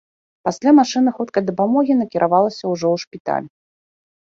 Пасля машына хуткай дапамогі накіравалася ўжо ў шпіталь.